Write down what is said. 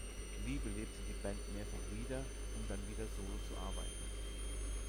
Lee belebte die Band mehrfach wieder, um dann wieder solo zu arbeiten.